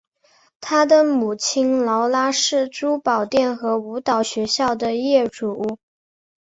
她的母亲劳拉是珠宝店和舞蹈学校的业主。